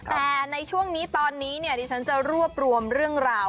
แต่ในช่วงนี้ตอนนี้เนี่ยดิฉันจะรวบรวมเรื่องราว